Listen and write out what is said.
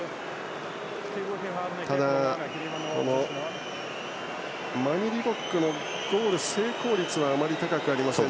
ただ、マニ・リボックのゴール成功率はあまり高くありません。